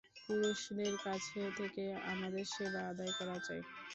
পুরুষদের কাছ থেকে আমাদের সেবা আদায় করা চাই।